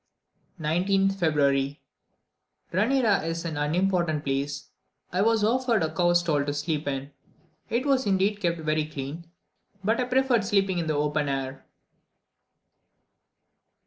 19th February. Ranera is an unimportant place. I was here offered a cow stall to sleep in. It was indeed kept very clean; but I preferred sleeping in the open air.